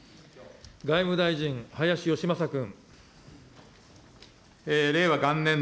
外務大臣、林芳正君。